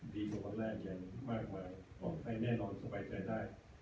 ดีกว่าความแรงอย่างมากมายปลอดภัยแน่นอนสบายใจได้